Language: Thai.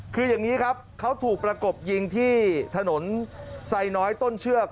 คืออย่างนี้ครับเขาถูกประกบยิงที่ถนนไซน้อยต้นเชือก